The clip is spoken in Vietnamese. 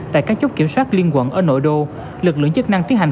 tại các chốt kiểm soát liên quận ở nội đô lực lượng chức năng tiến hành